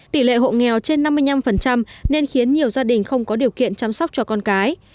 tỷ lệ hộ nghèo trên năm mươi năm nên khiến nhiều gia đình không có điều kiện chăm sóc cho con cái